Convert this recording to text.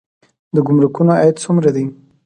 د ګمرکونو عاید څومره دی؟